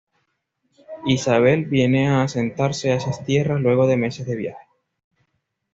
Isabel viene a asentarse a esas tierras luego de meses de viaje.